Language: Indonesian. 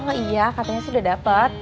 oh iya katanya sih udah dapet